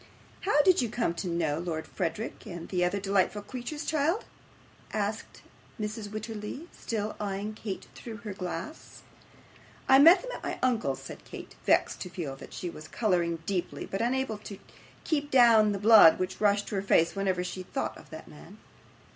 'How did you come to know Lord Frederick, and those other delightful creatures, child?' asked Mrs. Wititterly, still eyeing Kate through her glass. 'I met them at my uncle's,' said Kate, vexed to feel that she was colouring deeply, but unable to keep down the blood which rushed to her face whenever she thought of that man.